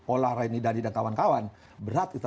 olahraini dan tidak kawan kawan berat kita